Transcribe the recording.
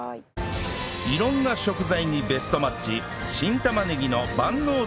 色んな食材にベストマッチ